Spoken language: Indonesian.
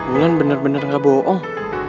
ulan bener bener gak bohong